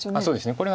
そうですね。